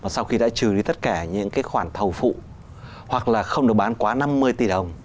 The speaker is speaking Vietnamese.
sau khi đã trừ đi tất cả những khoản thầu phụ hoặc là không được bán quá năm mươi tỷ đồng